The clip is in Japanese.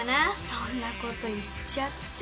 そんなこと言っちゃって。